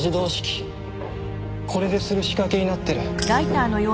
これでする仕掛けになってる。